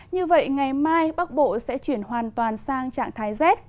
như vậy ngày mai bắc bộ sẽ chuyển hoàn toàn sang trạng thái rét